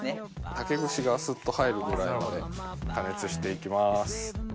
竹串がスッと入るぐらいまで加熱していきます。